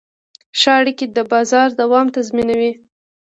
ښه اړیکې د بازار دوام تضمینوي.